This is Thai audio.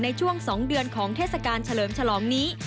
ในช่วง๒เดือนของเทศกาลเฉลิมฉลองนี้